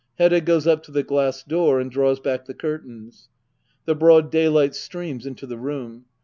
[Hedda goes up to the glass door and draws back the curtains. The broad daylight streams into the room.